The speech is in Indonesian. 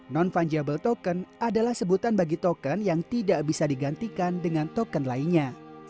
non fungiable token adalah sebutan bagi token yang tidak bisa digantikan dengan token lainnya